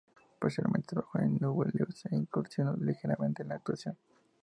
Posteriormente, trabajó en "Nubeluz" e incursionó ligeramente en la actuación.